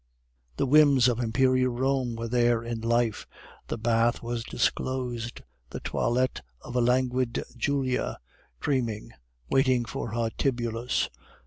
The whims of Imperial Rome were there in life, the bath was disclosed, the toilette of a languid Julia, dreaming, waiting for her Tibullus.